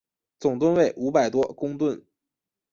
总吨位五百多公顿。